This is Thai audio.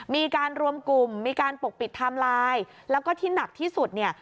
มีการรวมกลุ่มมีการปกปิดไทม์ไลน์แล้วก็ที่หนักที่สุดเนี่ย